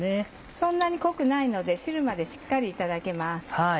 そんなに濃くないので汁までしっかりいただけます。